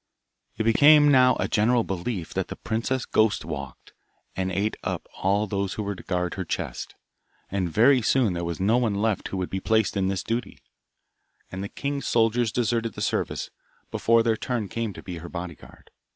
It became now a general belief that the princess's ghost walked, and ate up all those who were to guard her chest, and very soon there was no one left who would be placed on this duty, and the king's soldiers deserted the service, before their turn came to be her bodyguard.